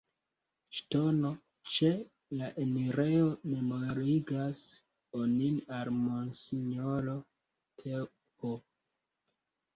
Ŝtono ĉe la enirejo memorigas onin al monsinjoro Th.